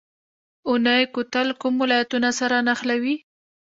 اونی کوتل کوم ولایتونه سره نښلوي؟